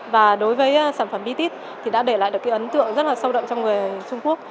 và đối với sản phẩm bitit thì đã để lại được cái ấn tượng rất là sâu đậm cho người trung quốc